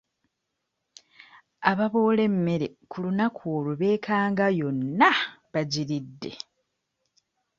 Ababoola emmere ku lunaku olwo beekanga yonna bagiridde.